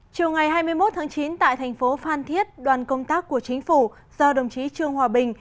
chiều ngày hai mươi một tháng chín tại thành phố phan thiết đoàn công tác của chính phủ do đồng chí trương hòa bình